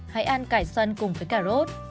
hãy ăn cải xoăn cùng với cà rốt